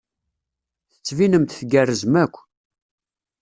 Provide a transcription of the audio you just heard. Tettbinem-d tgerrzem akk.